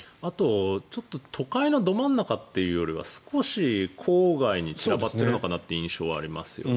都会のど真ん中というよりは少し郊外に散らばっているのかなという印象はありますよね。